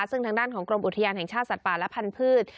ซึ่งทางด้านของกรมอุทยานแห่งชาติสัตว์ป่าและพันธุ์